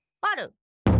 ある。